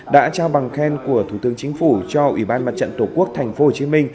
đã trao bằng khen của thủ tướng chính phủ cho ủy ban mặt trận tổ quốc tp hcm